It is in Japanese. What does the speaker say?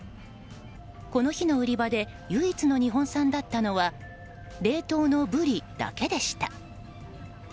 この日の売り場で唯一の日本産だったのは冷凍のブリだけでした。